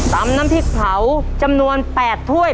น้ำพริกเผาจำนวน๘ถ้วย